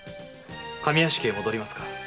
上屋敷へ戻りますか？